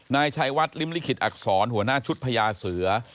นายชัยวัดริมลิขิตอักษรหัวหน้าชุดพญาเสือ